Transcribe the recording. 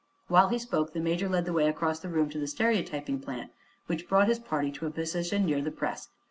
While he spoke the Major led the way across the room to the stereotyping plant, which brought his party to a position near the press.